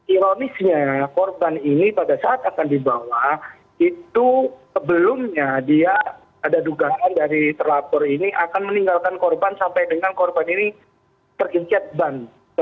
ironisnya korban ini pada saat akan dibawa itu sebelumnya dia ada dugaan dari terlapor ini akan meninggalkan korban sampai dengan korban ini terincet ban